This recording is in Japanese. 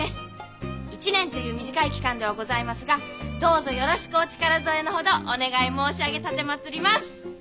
１年という短い期間ではございますがどうぞよろしくお力添えのほどお願い申し上げ奉ります。